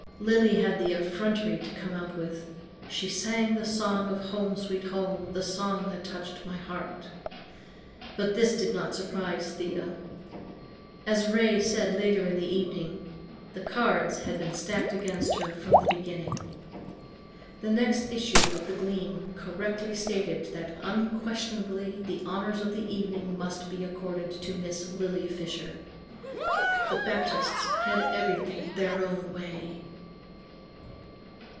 Lily had the effrontery to come out with, "She sang the song of Home, Sweet Home, the song that touched my heart." But this did not surprise Thea; as Ray said later in the evening, "the cards had been stacked against her from the beginning." The next issue of the Gleam correctly stated that "unquestionably the honors of the evening must be accorded to Miss Lily Fisher." The Baptists had everything their own way.